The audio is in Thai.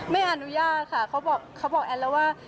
ไม่อนุญาตค่ะเขาบอกแอนแล้วว่า